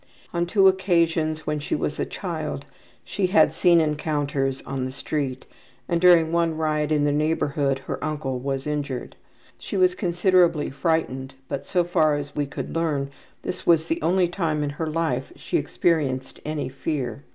On two occasions when she was a child she had seen encounters on the street, and during one riot in their neighborhood her uncle was injured. She was considerably frightened, but, so far as we could learn, this was the only time in her life that she experienced any fear.